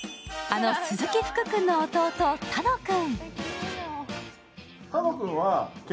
あの鈴木福君の弟、楽君。